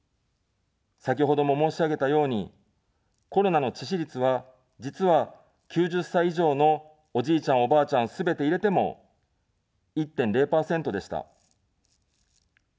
先ほども申し上げたように、コロナの致死率は、実は、９０歳以上のおじいちゃん、おばあちゃん、すべて入れても、１．０％でした。